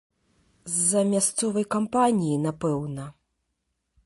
З-за мясцовай кампаніі, напэўна.